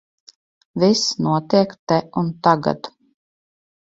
Viss notiek te un tagad.